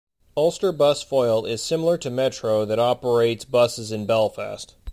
Ulsterbus Foyle is similar to Metro that operates buses in Belfast.